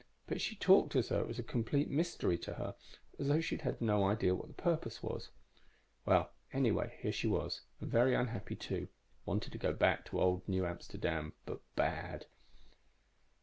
But she talked as though it was a complete mystery to her, as though she'd no idea what the purpose of it was. Well, anyway, here she was and very unhappy, too. Wanted to go back to old New Amsterdam, but bad.